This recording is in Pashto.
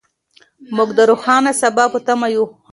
موږ د روښانه سبا په تمه یو.